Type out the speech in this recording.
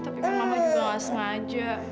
tapi kan mama juga gak sengaja